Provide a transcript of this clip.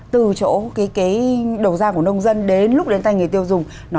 từ chỗ cái đổ ra của nông dân